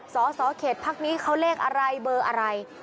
สสเขตพักนี้เขาเลขอะไรเบอร์อะไร